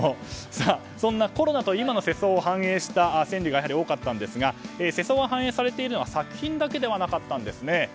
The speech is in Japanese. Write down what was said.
そんなコロナと今の世相を反映した川柳が多かったんですが世相が反映されているのは作品だけではなかったんです。